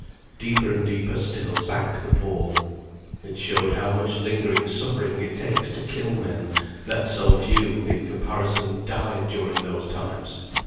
Deeper and deeper still sank the poor; it showed how much lingering suffering it takes to kill men, that so few (in comparison) died during those times.